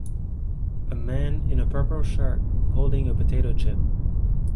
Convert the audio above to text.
a man in a purple shirt holding a potato chip.